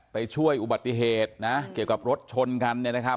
ไปช่วยอุบัติเหตุนะเกี่ยวกับรถชนกันเนี่ยนะครับ